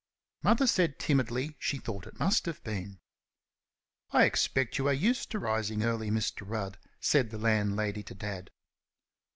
Mother said timidly she thought it must have been. "I expect you are used to early rising, Mr. Rudd?" said the landlady to Dad.